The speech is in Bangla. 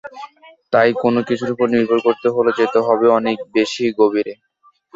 তাই কোনো কিছুর ওপর নির্ভর করতে হলে যেতে হবে অনেক বেশি গভীরে।